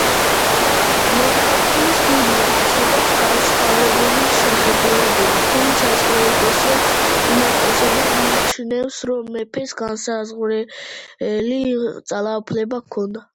მონარქიის ტიპზე არსებობს განსხვავებული შეხედულებები, თუმცა ისტორიკოსების უმეტესობა მიიჩნევს რომ მეფეს განუსაზღვრელი ძალაუფლება ჰქონდა.